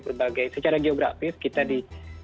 berbagai secara geografis kita di